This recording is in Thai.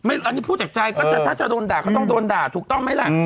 อันนี้พูดจากใจก็ถ้าจะโดนด่าก็ต้องโดนด่าถูกต้องไหมล่ะ